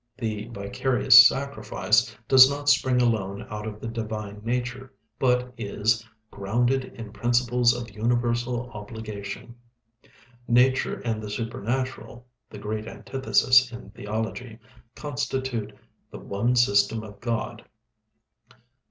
'The Vicarious Sacrifice' does not spring alone out of the divine nature, but is 'Grounded in Principles of Universal Obligation.' 'Nature and the Supernatural' the great antithesis in theology constitute 'The One System of God.'